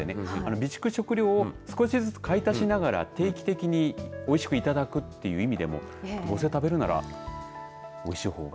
備蓄食料を少しずつ買い足しながら定期的においしくいただくという意味でもどうせ食べるならおいしいほうが。